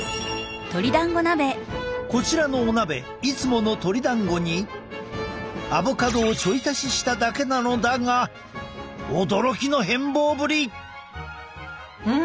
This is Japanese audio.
こちらのお鍋いつもの鶏だんごにアボカドをちょい足ししただけなのだが驚きの変貌ぶり！ん！